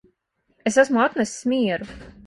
Es esmu atnesis mieru